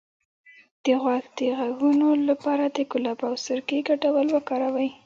د غوږ د غږونو لپاره د ګلاب او سرکې ګډول وکاروئ